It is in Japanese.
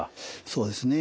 そうですね。